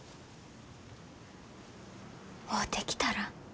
会うてきたら？